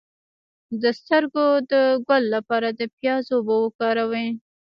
د سترګو د ګل لپاره د پیاز اوبه وکاروئ